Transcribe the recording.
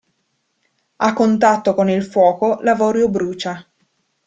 A contatto con il fuoco l'avorio brucia.